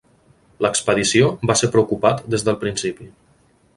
L'expedició va ser preocupat des del principi.